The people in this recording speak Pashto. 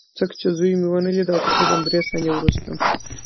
ځکه چې زوی مې ونه لید او تقریبا درې ثانیې وروسته